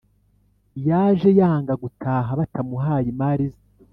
Yaje yanga gutaha batamuhaye imari ze